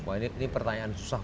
wah ini pertanyaan susah